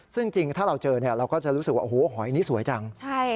ซึ่งจริงถ้าเราเจอเราก็จะรู้สึกว่าโอ้โหหอยนี้สวยจัง